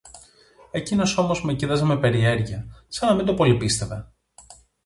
Εκείνος όμως με κοίταζε με περιέργεια, σαν να μην το πολυπίστευε.